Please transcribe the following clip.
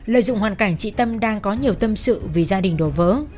lợi dụng hoàn cảnh chị tâm đang có nhiều tâm sự vì gia đình đổ vỡ